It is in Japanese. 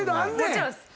もちろんです。